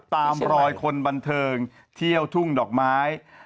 ตามรอยคนบันเทิงเที่ยวทุ่งดอกไม้